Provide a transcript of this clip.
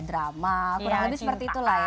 drama kurang lebih seperti itulah ya